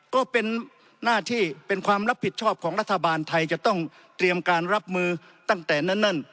ก็เป็นหน้าที่เป็นความรับผิดชอบของรัฐบาลไทยจะต้องเตรียมการรับมือตั้งแต่นั้น